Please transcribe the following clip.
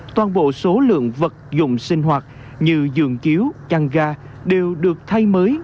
toàn bộ số lượng vật dùng sinh hoạt như dường chiếu chăn ga đều được thay mới